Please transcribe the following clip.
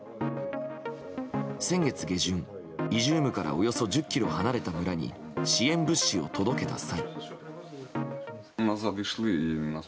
先月下旬、イジュームからおよそ１０ｋｍ離れた村に支援物資を届けた際。